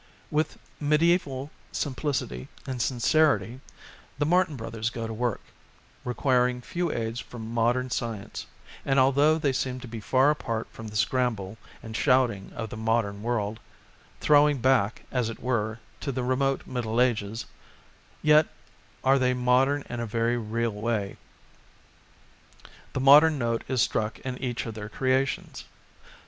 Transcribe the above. With mediaeval simplicity and sincerity the Martin Brothers go to work, requiring few aids from modem science, and although they seem to be far apart from the scramble and shouting of the modem world, throwing back, as it were, to the remote Middle Ages, yet are they modem in a very real way. The modem note is struck in each of their creations.